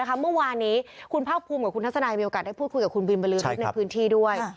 สิ่งที่เมื่อวานี้คุณภาพภูมิและคุณทัศนายมีโอกาสได้พูดกับคุณบินไปเลือกในพื้นที่ด้วย